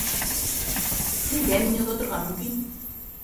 Һеҙгә мине оҙатырға мөмкин